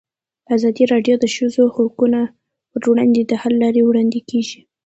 ازادي راډیو د د ښځو حقونه پر وړاندې د حل لارې وړاندې کړي.